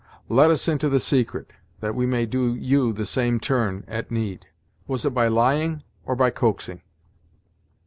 Let us into the secret, that we may do you the same good turn, at need. Was it by lying, or by coaxing?"